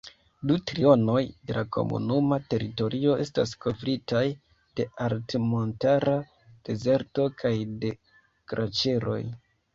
Du trionoj de la komunuma teritorio Estas kovritaj de altmontara dezerto kaj de glaĉeroj.